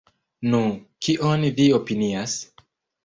Nu, kion vi opinias?